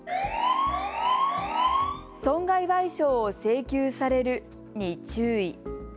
損害賠償を請求されるに注意。